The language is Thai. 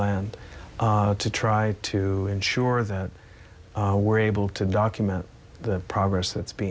ทุกประเภทตามสถานการณ์ตามสถานการณ์ของที่๓